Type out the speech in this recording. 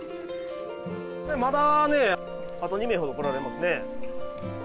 まだね、あと２名ほど来られますね。